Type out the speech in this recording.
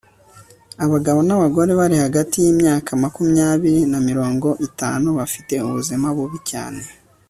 abagabo n'abagore bari hagati yimyaka makumyabiri na mirongo itanu bafite ubuzima bubi cyane